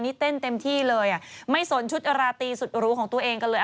นี่เต้นเต็มที่เลยอ่ะไม่สนชุดราตรีสุดหรูของตัวเองกันเลย